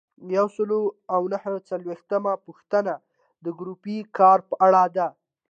یو سل او نهه څلویښتمه پوښتنه د ګروپي کار په اړه ده.